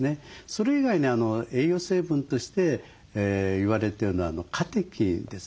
それ以外に栄養成分として言われてるのはカテキンですね。